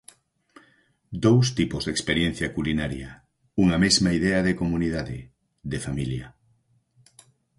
Dous tipos de experiencia culinaria, unha mesma idea de comunidade, de familia.